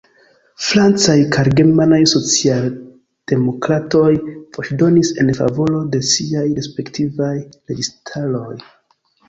Francaj kaj germanaj socialdemokratoj voĉdonis en favoro de siaj respektivaj registaroj.